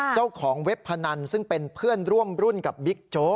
เว็บพนันซึ่งเป็นเพื่อนร่วมรุ่นกับบิ๊กโจ๊ก